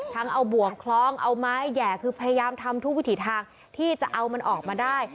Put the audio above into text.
ทั้งเอาบวกคล้องเอาไม้แห่คือพยายามทำทุกวิถีทางที่จะเอามันออกมาได้